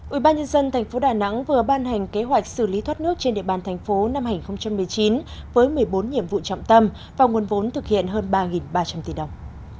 ubnd tp đà nẵng vừa ban hành kế hoạch xử lý thoát nước trên địa bàn thành phố năm hai nghìn một mươi chín với một mươi bốn nhiệm vụ trọng tâm và nguồn vốn thực hiện hơn ba ba trăm linh tỷ đồng